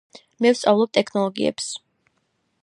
მე ვსწავლობ ტექნოლოგიებს